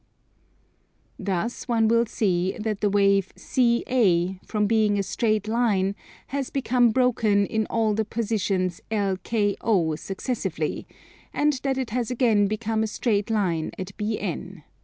Thus one will see that the wave CA, from being a straight line, has become broken in all the positions LKO successively, and that it has again become a straight line at BN.